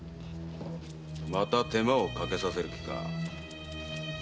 また手間をかけさせる気か？